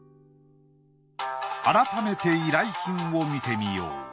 改めて依頼品を見てみよう。